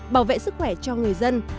bảo vệ sức khỏe cho người dân